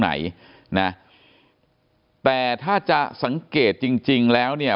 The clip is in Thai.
ไหนนะแต่ถ้าจะสังเกตจริงจริงแล้วเนี่ย